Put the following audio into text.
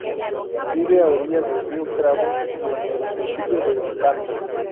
Viven a orillas del río Cravo y en el Municipio de Tame.